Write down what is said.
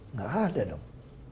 enggak ada dong